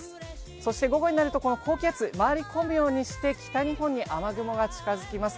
そして午後になるとこの高気圧、回り込むようにして北日本に雨雲が近づきます。